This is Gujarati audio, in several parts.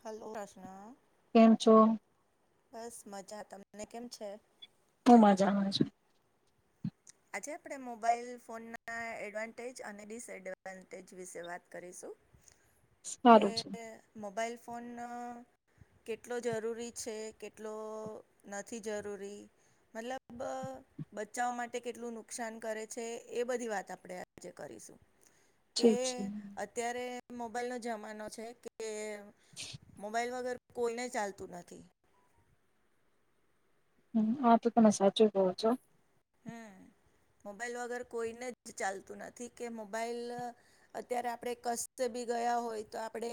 હેલો તસના કેમ છો બસ મજા તમને કેમ છે. હું મજામાં છુ. આજે આપણે મોબાઈલ ફોન ના એડવાન્ટેજ અને ડિસએડવાન્ટેજ વિશે વાત કરીશું. કે સારું છે મોબાઈલ ફોન કેટલો જરૂરી છે કેટલો નથી જરૂરી મતલબ બચાવ માટે તે કેટલું નુકસાન કરે છે એ બધી વાત આપણે આજે કરીશું. કે ઠીક છે અત્યારે મોબાઈલનો જમાનો છે કે મોબાઈલ વગર કોઈને ચાલતું નથી. હ, આતો તમે સાચું કોહ છો. હમ્મ, મોબાઈલ વગર કોઈને જ ચાલતું નથી કે મોબાઈલ અત્યારે આપણે કસ્ત બી ગયા હોય તો આપણે,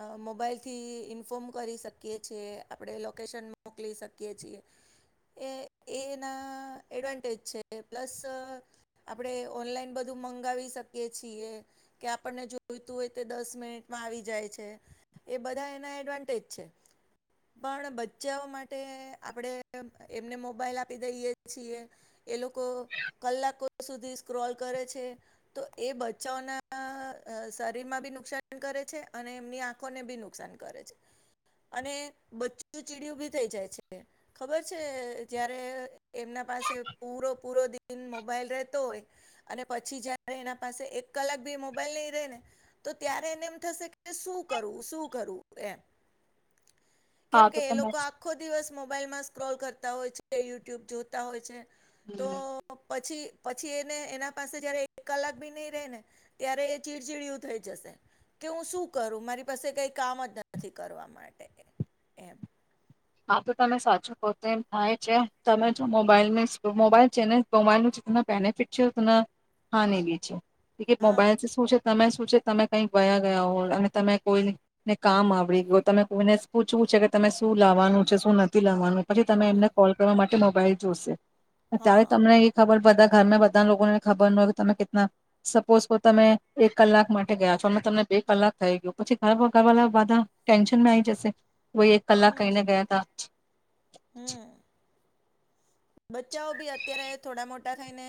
અ મોબાઈલથી ઇન્ફોર્મ કરી શકીએ છીએ, આપણે લોકેશન મોકલી શકીએ છીએ, એ એના એડવાન્ટેજ છે, પ્લસ આપણે ઓનલાઈન બધું મંગાવી શકીએ છીએ, કે આપણને જોઈતું હોય તે દસ મિનિટમાં આવી જાય છે, એ બધા એના એડવાન્ટેજ છે. પણ બચ્ચાઓ માટે આપણે એમને મોબાઈલ આપી દઈએ છીએ એ લોકો કલાકો સુધી સ્ક્રોલ કરે છે, તો એ બચ્ચાઓના અ શરીર માં બી નુકસાન કરે છે અને એમની આંખોને બી નુકસાન કરે છે, અને બચ્ચું ચીડયું બી થઈ જાય છે ખબર છે જ્યારે એમના પાસે પૂરો પૂરો દિન મોબાઈલ રહતો હોય અને પછી જયારે એના પાસે એક કલાક ભી મોબાઈલ નઈ રે ને, તો ત્યારે એને એમ થશે કે સુ કરવું, સુ કરવું, એમ. હા કેમ તો કે એ તમે લોકો આખો દિવસ મો બાઈલમાં સ્ક્રોલ કરતા હોય છે યુ ટ્યુબ જોતા હોય છે. તો, પછી પછી એને એના પાસે જયારે એક કલાક બી ની રે ને, ત્યારે એ ચીડચીડયું થઈ જશે, કે હું શું કરું, મારી પાસે કઈ કામ જ નથી કરવા માટે એમ. હા તો તમે સાચું કહો તો એમ થાય છે, તમે જો મોબાઈલ ને મોબાઈલ છે ને મોબાઈલનું જેતના બેનિફિટ છે, ઉતના હાનિ બી છે. કે હા મોબાઈલ શું છે તમે જ શું છે તમે કઈક ગયા ગયા હો અને તમે કોઈને કામ આવડી ગ્યો, તમે કોઈને પૂછવું છે કે તમે શું લાવવાનું છે, શું નથી લાવવાનું પછી તમે હમ એમને કોલ કરવા માટે મો બાઇલ જોશે. અત્યારે હા તમને એ ખબર બધા ઘરમાં બધા લોકોને ખબર ન હોય કે તમે કેટના સપોઝ કો તમે એક કલાક માટે ગયા છો, અ તમને બે કલાક થઈ ગ્યું, પછી ઘર ઘરવાળા બધા ટેન્શનમાં આઇ જશે કો એક કલાક કહીને ગયા તા હમ્મ. બચ્ચાઓ ભી અત્યારે થોડા મોટા થઈને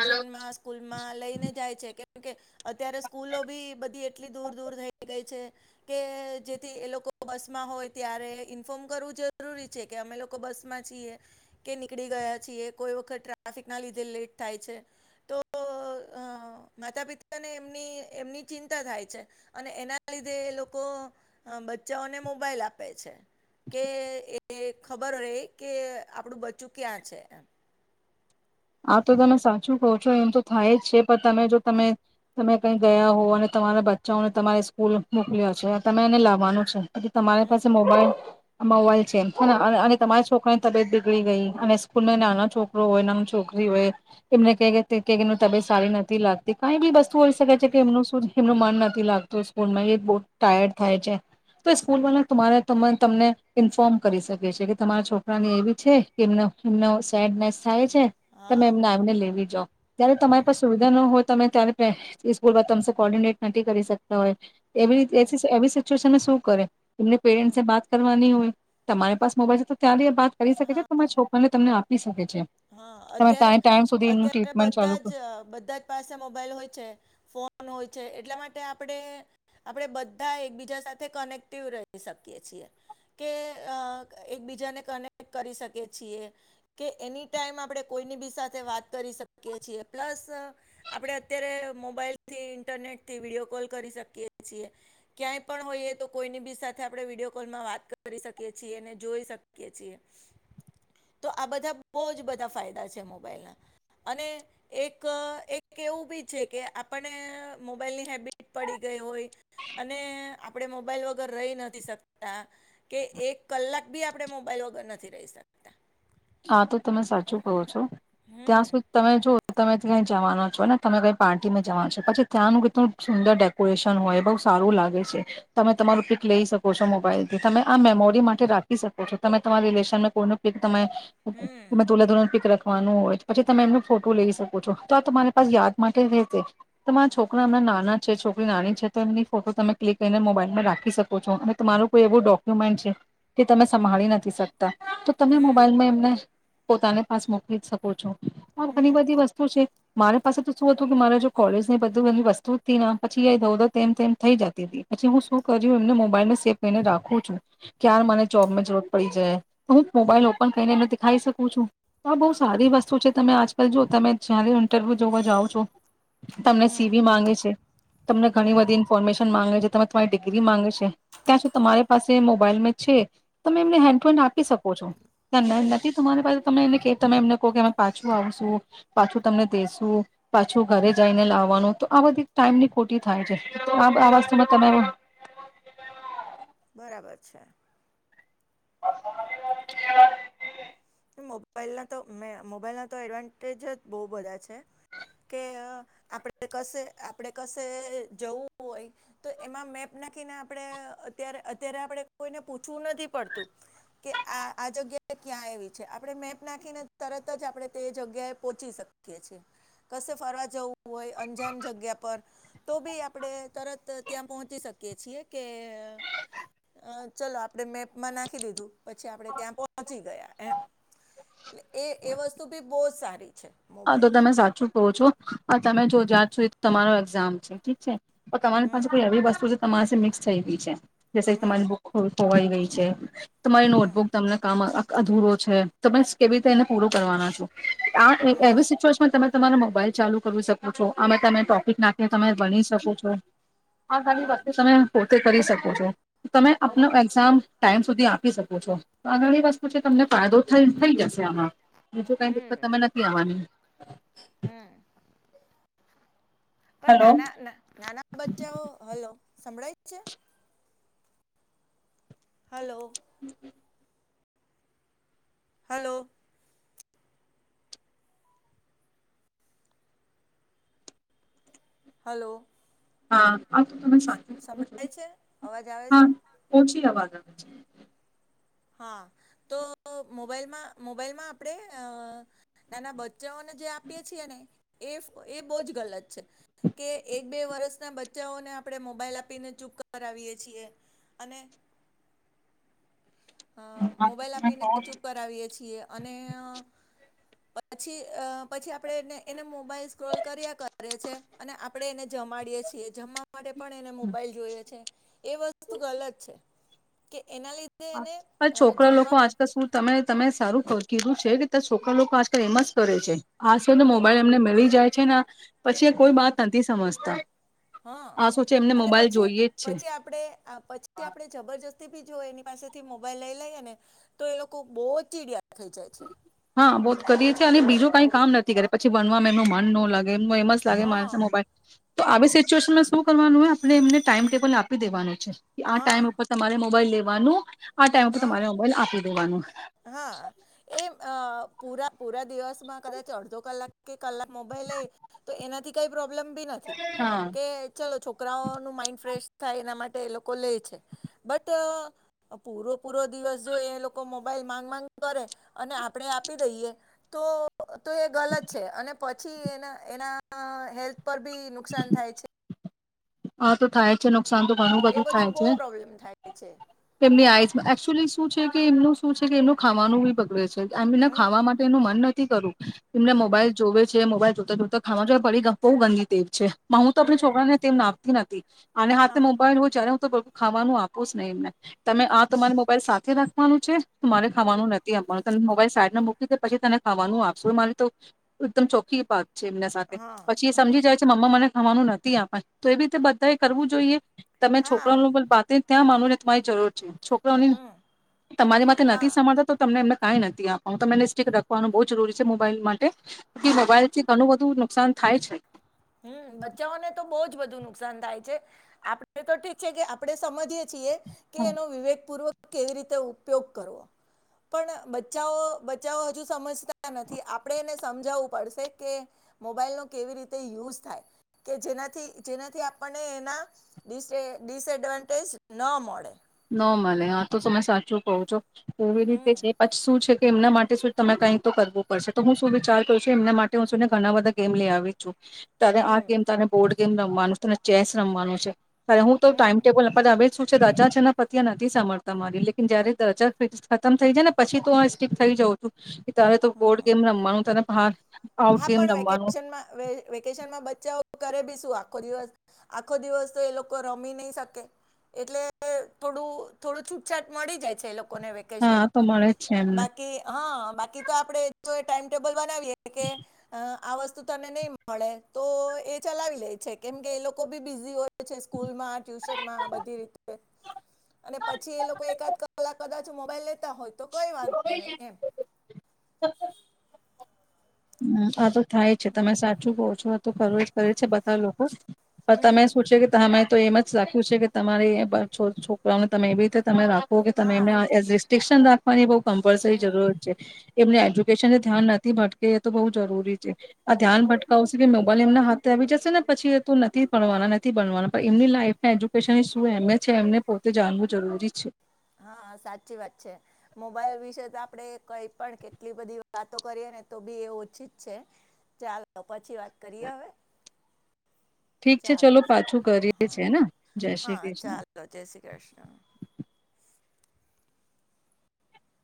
હલો સ્કૂલમાં લઈને જાય છે કે કેમ કે અત્યારે સ્કૂલો બી બધી એટલી દૂર દૂર થઈ ગઈ છે કે જેથી એ લોકો બસમાં હોય ત્યારે ઈન્ફોર્મ કરવું જરૂરી છે કે અમે લોકો બસ માં છીએ. કે નીકળી ગયા છીએ, કોઈ વખત ટ્રાફિક ના લીધે લેટ થાય છે, તો અ માતા પિતાને એમની એમની ચિંતા થાય છે અને એના લીધે એ લોકો બચ્ચાઓને મોબાઈલ આપે છે, કે એ ખબર રહે કે આપણું બ ચ્ચું ક્યા છે એમ. આ તો તમે સાચું કહો છો એમ તો થાય જ છે પણ તમે જો તમે તમે કઈ ગયા હો અને તમારા બચ્ચાઓને તમારે સ્કૂલ મોકલ્યા છે તમે એને લાવવાનું છે એ તમારી હમ પાસે મોબાઈલ આ મોવાઈલ છેમ અને અને અને હમ તમારી છોકરા ની તબેત બી ગડી ગઈ અને સ્કૂલમાં નાનો છોકરો હોય નાનો છોક રી હોય એમને કે કે તબિત સારી નથી લાગતી, કાઈ બી વસ્ તું હોય શકે છે કે હમ એનું એમનું મન ન થી લાગતું સ્કૂલમાં એ બો ટાયર્ડ થાય છે, તો એ સ્કૂલ વાળ તમારા તમાર તમને ઈન્ફોર્મ કરી શકે છે, કે તમારા છોકરાને એવી છે કે એમનો એમનો સેડનેસ થાય છે. તમે હા એમને આવીને લેવી જાવ, ત્યારે તમારી હમ પાસે સુવિધા ન હોય તમે ત્યાં ને ત્યાં એ સ્કૂલ બા તમ કોર્ડિનેટ નથી કરી શકતા હોય એવી એસી એવી સિચ્યુએશન નું સુ કર તમને હમ પેરન્ટસે બાત કરવાની હોય તમારી પાસે મોબાઈલ છે, તો ત્યા્યારે વાત કરી શકે છે, હા તમારા છોકરીને તમને આપ આપી શકે છે. હા તમે અત્યારે ટાઈમ સુધી એમનું અત્યારે ટ્રીટમેન્ટ ચાલુ બધા જ કરો બધા જ પાસે મોબાઈલ હોય છે, ફોન હોય એટલા માટે આપણે આપણે બધા એકબીજા સાથે કનેક્ટિવ રહી શકીએ છીએ, કે અ એકબીજાને કનેક્ટ કરી શકીએ છીએ કે એની ટાઈમ આપણે કોઈની બી સાથે વાત કરી શકીએ છીએ પ્લસ આપડણે અત્યારે મોબાઈલ થી ઇન્ટરનેટ થી વિડીયો કોલ કરી શકીએ છીએ, ક્યાંય પણ હોઈએ તો કોઈની બી સાથે આપ વિડીયો કોલમાં વાત કરી શકીએ છીએ જોઈ શકીએ છીએ તો આ બધા બહુ જ બધા ફાયદા છે મોબાઈલના અને એક એક એવું બી છે કે આપણને મોબાઈલની હેબિટ પડી ગઈ હોય અને આપણે મોબાઈલ વગર રહી નથી શકતા કે એક કલાક બી આપણે મોબાઈલ વગર નથી રહી શકતા. હા તો તમે સાચું કહો છો. હમ ત્યાં સુધી તમે જો તમે ક્યાંય જવાનો છો ને તમે કઈ પાર્ટીમાં જવાનું છો પછી ત્યાંનું કેટલું સુંદર ડેકોરેશન હોય બઉ સારું લાગે છે, તમે તમારું પિક લઈ શકો છો મોબાઈલ થી તમે આ મેમોરી માટે રાખી શકો છો તમે તમારી રિલેશનમાં કોઈનું પિક તમે હમ એમાં દુલ્હા દુલહન પીક રખ વાનું હોય પછી તમે એમનું ફોટું લઈ શકો છો, તો આ તમારી પાસ યાદ માટે રહેશે. તમારા છોકરા હમણાં નાના છે છોક આપણી નાની છે તો એમની ફોટો તમે ક્લિક કરીને મોબાઈલમાં રાખી શકો છો, અને તમારું કોઈ એવું ડોક્યુમેન્ટ છે જે તમે સંભાળી નથી શક. તા તો તમે હમ મોબાઈલમાં એમને પોતાને પાસ મોકલી જ શકો છો. હ ઘણી હમ બધી વસ્તુ છે મારી પાસે તો શું હતું કે મારે જો કોલેજ બધું બી વસ્તુ ના પછી ઇધર ઉધર તેમ તેમ થઈ જતી હતી પછી હું શું કર એમને મોબાઈલ સેફ કરીને રાખું છું ક્યાર મને જોબમાં જરૂર પડી જાય. હું મોબાઈલ ઓપન કરીને થાઈ શકું છું, આ બહુ સારી વસ્તુ છે તમે આજકાલ જો તમે જય્યારે ઇન્ટરવ્યુ જોવા જાઓ છો. તમને સીવી માંગે છે, તમને ઘણી હમ બધી ઇન્ફોર્મેશન માંગે છે. તમારી ડિગ્રી માંગે છે, ત્યાં સુ તમારી પાસે મોબાઈલ મે છે તમે એમનેે હેન્ડ તો હેન્ડ ને આપી શકો છો. તમે એને તમે એમને કહો કે અમે પાછું આવશું પાછું તમને દેસુ પાછું ઘરે જઈને લાવવાનું, તો આ બધી ટાઈમ ની ખોટી થાય છે. આ આ હમ વસ્તુ તમે બરાબર છે. [unintelligible] મોબાઈલના તો મે મોબાઈલના તો એડવાન્ટેજ જ બહુ બધા છે કે આપણે કશે આપણે કશે જવું હોય તો એમાં મેપ નાખીને આપણે અત્યારે અત્યારે આપણે કોઈને પૂછવું નથી પડતું કે આ આ જગ્યાએ ક્યાં આવી આપણે મેપ નાખીને તરત જ આપણે તે જગ્યાએ પહોંચી શકીએ છીએ કશે ફરવા જવું હોય અંજાન જગ્યા પર તો બી આપણેે તરત ત્યાં પહોંચી શકીય છીએ કે અ ચલો આપણેે મેપમાં નાખી દીધું પછી આપણે ત્યાં પહોંચી ગયા એમ એ એ વસ્તુ ભી બહુ સારી છે હા તો મોબાઈલની તમે સાચું કહો છો હ તમે જો જત છો તમારો એક્ઝામ છે ઠીક છે તમારી હમ પાસે એવી વસ્તુ છે માસે મિક્સ થઈ ગય છે જૈ કે હમ તમારી બુક ખોલ ધોવાઈ ગઈ છે તમારી નોટબુક હમ તમને કામ અધુરો છે તમે કેવી રીતે એને પૂરો કરવાના છો આ એવી હમ સિચ્યુએશનમાં તમે તમારા મોબાઈલ ચાલુ કરી શકો છો આમાં તમે ટોપિક નાખી તમે ભણી શકો છો હા સાાલી હમ બતી સમય તે કરી શકોું છો તમે આપનો હમ એક્ઝામ ટાઈમ સુધી આપી શકો છો આ ઘણી વસ્તુ છે તમને ફાયદો થ થઈ જશે બીજું કઈ દિકકત હમ તમે નથી વાની હમ પણ નાના નાના બચ્ચાઓ હલો સંભળાય પ છે હલો હમ હલો હલો હા આ તો તમે સાચું કહો છો સંભળાય છે અવાજ આવે હા છે ઓછી [inaudible] હા તો મોબાઈલમાં મોબાઈલમાં આપણેે નાના જને જે આપીએે છીએ ને એ એ બોવ જ ગલત છે કે એક બે વર્ષના બચ્ચાઓને આપણે મોબાઈલ આપીને ચૂપ કરાવીયએ છીએ અને હ મોબાઈલ આપીને ચૂપ કરાવીએ છીએ અને પછી અ પછી આપણે એને એને મોબાઈલ સ્ક્રોલ કર્યા કરએ છે અને આપણે એને જમાડીએ છીએ જમા માટે પણ એને મોબાઈલ જોઈએ છે એ વસ્તુ ગલત છે કે એના લીધે એને. અ છોકરા લોકો જમવામાં આજકાલ શું, તમે તમે. સારું કહું કીધું છે. [unintelligible] હમ લોકો આજકલ એમસ. કરે છે. હમ [unintelligible] પછી એ કોઈ હમ બાત નથી સમજતા હા આ સોચે એમને અને મોબાઈલ પછી જોઈએ જ છે. પછી આપણે આ પછી આપણે [unintelligible] જો એની પાસેથી મોબાઈલ લઈ લઈએ ને તો એ લોકો બો ચીડિયા થઈ જાય છે. હા [unintelligible] જ કરીએ છીએ અને બીજું કઈ કામ નથી કરે પછી ભનવાવામાં એમનું મન ન લાગે એમ એમ જ લાગે મા હા મોબાઈલ તો આવી સિચ્યુએશનમાં શું કરવાનું હોય આપણે એમને ટાઈમ-ટેબલ આપી દેવાનું છે આ હા ટાઈમ ઉપર તમારે મોબાઈલ લેવાનું આ ટાઈમ ઉપર તમારે હા મોબાઈલ આપી દેવાનું [inaudible] હા એ અ પુરા પુરા દિવસમાં કદાચ અડધો કલાક કે કલાક મોબાઈલ લઈ તો એનાથી કઈ પ્રો લબભી નથી હા કે ચલો છોકરાનું માઈન્ડ ફ્રેશ થાય એના માટે એ લોકો લેય છે બટ પૂરો પૂરો દિવસ જો એ લોકો મો મોબાઈલ માંગ માંગ કરે અને આપણે આપી દઈએ તો તો એ ગલત છે અને પછી એના એના હેલ્થ ઉપર ભી નુકસાન થાય છે. હા તો થાય છે નુ નુકસાન તો ઘણું એ બધું થાય બહુ છે પ્રોબ્લેમ થાય છે તેમની આઈસમાં એકચુલી શું છે કે એમનું શું છે કે એમનું ખાવાનું બી બગડે છે. એમને હમ ખાવા માટે એનું મન ન થી કરુ તમને હમ મોબાઈલ જોવે છે મોબાઈલ જોતા જોતા ખાવા જોએ પડી બહુ ગંદી ટેવ છે. હમ [unintelligible] નથી. આને હાથે હા મોબાઇલ હો જ્યારે ખાવાનું આપોસ ને એમને તમે આ તમારી મોબાઈલ સાથે રા ખવાનું છે. મારે ખાવાનું નથી અએમ પણ ત મોબાઈલ સાઈડમાં મૂકીડે પછી તને ખાવાનું આપશુ મારી તો એકદમ ચોખી વાત છે એમના સાથે હા પછી એ સમજી જાય છે મમ્મા મને ખવાનું નથી આપે તો એવી રીતે બધા એ કરવું જોઈએ તમે છોકરા ન હા બ બાતી જ ત્યાં માનવ ને તમારી જરૂર છે છોકરોની હમ તમારી માટે નથી હા સાભળતા તો તમને એમને કઈ નથી આપવાનું તો તને સ્ટીિક રાખવાનું બહુ જરૂરી છે મોબાઈલ માટે હમ મોબાઈલથી ઘણું બધું નુકસાન થાય છે. હમ બચ્ચાઓને તો બહુ જ બધું નુકસાન થાય છે આપડ તો ઠીક છે કે આપડે સમજીય છીએ કે એનો વિવેક પૂર્વક કેવી રીતે ઉપયોગ કરવો પણ બચ્ચાઓ બચ્ચાઓ હજુ સમજતા નથી આપડણે એને સમજાવવું પડશે કે મોબાઈલ નો કેવી રીતે તે યુઝ થાય કે જેનાથી જેનાથી આપણને એનાડિસ ડિસએડવાન્ટેજ ન મળે ન મળલે આ તો તમે સાચું કો છો એવી હમ રીતે છે પછી શું છે. એમના માટે શ તમે કઈક તો કરવું પડશે તો હું શું વિચાર કરું છું એમના માટે હું છું ને ઘણા બધા ગેમ લઈ આવી છું તને આ હમ ગેમ તને બોર્ડ ગેમ રમવાનું છે ચેસ રમવાનું છે તરે હું તો હમ ટાઈમ ટેબલ અ આવે છું રાજા જનક પત્યા નથી સાભળતા મારી લેકન જયારે દજા ફ્રીજ ખતમ થઈ જાય ને પછી તો સ્ટીિક થઈ જઉું છું તારે તો બોર્ડ હમ ગેમ રમવાનું તને હા. હા પણ વેકેશનમાં વેકેશન માં બચ્ચાઓ કરે બી શું આખો દિવસ આખો દિવસ તો એ લોકો રમી નહી શકે એટલે થોડું થોડું છૂટછાટ મળી જાય છે એ લોકો વેકેશન હા તો માં મળે જ છે એમને બાકી હ. બાકી તો આપડે જો ટાઈમ ટેબલ બનાવીએ કે આ વસ્તુ તને નહી મળે તો એ ચલાવી લે છે કેમકે એ લોકો ભી બીઝી હોય છે સ્કૂલમાં ટ્યુશનમાં બધી રીતે અને પછી એ લોકો એકાદ કલાક કદાચ મોબાઈલ હોય તો કોઈ વાંધો નહીં એમ [inaudible] હમ. [unintelligible] થાય છે તમે સાચું કહો છો તો કરવો જ કરે છે બતાવ લોકો પણ ત હમ મેં સોચ્યો કે તમે તો એમ જ રાખવ્યું છે કે તમારી છોક છોકરાઓને તમે એવી રીતે તમે હગ તમે એમને હા તો- એ રિસ્ટ્રિકશન દા અને એ બહુ કમ્પલસરી હમ જરૂરત છે. એમને એજ્યુકેશન ને ધ્યાન નથી ભટકે તો બહુ જરૂરી છે. આ ધ્યાન હમ ભટકાવુ મે ભલે એમના હાથે આવી જશે ને, પછી એ તો નથી ભણવાના, નથી ભણવાના. પણ એમની લાઈફ ના એજ્યુકેશનની શું? એમ છે. એમને પોતે જાણવું જરૂરી છે. હા, સાચી વાત છે. મોબાઈલ વિશે તો આપડે કઈ પણ કેટલી બધી વાતો કરીએ ને, તો બી એ ઓછી જ છે. ચાલો, પછી વાત કરીએ હવે. ઠીક છે ચાલો, ચલો પાછું કરીએ હા, છે ને જય શ્રી હા, કૃષ્ણ ચાલો. જય શ્રી કૃષ્ણ.